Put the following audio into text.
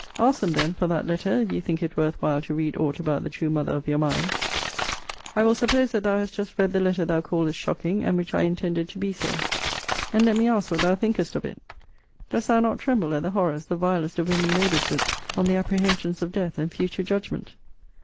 Ask them, then, for that letter, if you think it worth while to read aught about the true mother of your mind. I will suppose that thou hast just read the letter thou callest shocking, and which I intended to be so. And let me ask what thou thinkest of it? Dost thou not tremble at the horrors the vilest of women labours with, on the apprehensions of death, and future judgment?